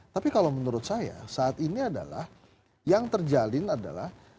tapi kalau menurut saya saat ini adalah yang terjalin adalah